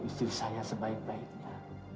istri saya sebaik baiknya